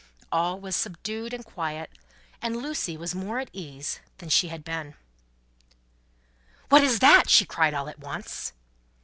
All was subdued and quiet, and Lucie was more at ease than she had been. "What is that?" she cried, all at once.